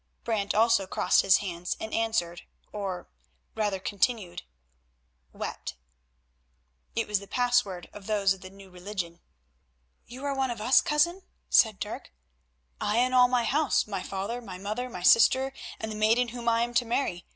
Brant also crossed his hands and answered, or, rather, continued, "wept." It was the password of those of the New Religion. "You are one of us, cousin?" said Dirk. "I and all my house, my father, my mother, my sister, and the maiden whom I am to marry.